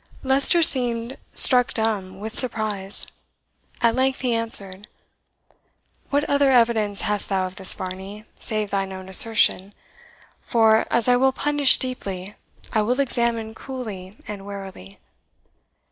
Leicester seemed struck dumb with surprise. At length he answered, "What other evidence hast thou of this, Varney, save thine own assertion? for, as I will punish deeply, I will examine coolly and warily.